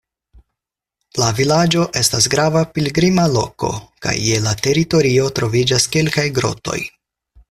La vilaĝo estas grava pilgrima loko, kaj je la teritorio troviĝas kelkaj grotoj.